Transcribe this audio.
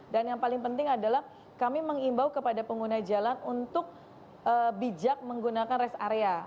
dan yang paling penting adalah kami mengimbau kepada pengguna jalan untuk bijak menggunakan rest area